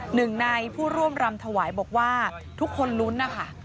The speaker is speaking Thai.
หนึ่งในผู้ร่วมรำถวายบอกว่าทุกคนลุ้นนะคะ